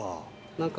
何か。